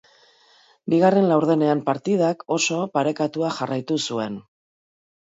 Bigarren laurdenean partidak oso parekatua jarraitu zuen.